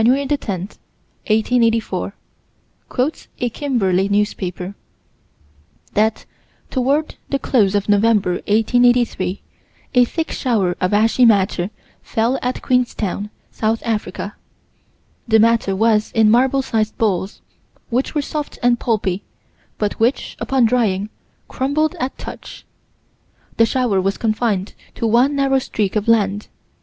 10, 1884, quotes a Kimberley newspaper: That, toward the close of November, 1883, a thick shower of ashy matter fell at Queenstown, South Africa. The matter was in marble sized balls, which were soft and pulpy, but which, upon drying, crumbled at touch. The shower was confined to one narrow streak of land.